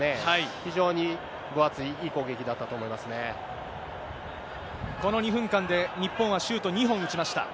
非常に分厚い、いい攻撃だったとこの２分間で、日本はシュート２本打ちました。